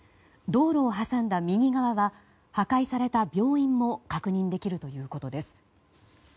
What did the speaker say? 道路を挟んだ右側は破壊された病院も確認できるということです。